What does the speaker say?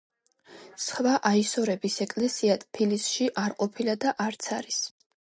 სხვა აისორების ეკლესია ტფილისში არ ყოფილა და არც არის.